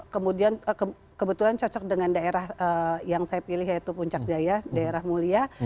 kemudian kebetulan cocok dengan daerah yang saya pilih yaitu puncak jaya daerah mulia